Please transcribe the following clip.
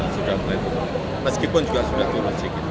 sudah mulai turun meskipun juga sudah turun sedikit